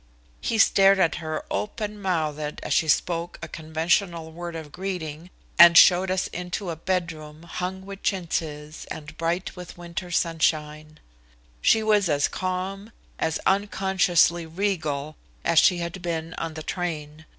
He stared at her open mouthed as she spoke a conventional word of greeting and showed us into a bedroom hung with chintzes and bright with the winter sunshine. She was as calm, as unconsciously regal, as she had been on the train.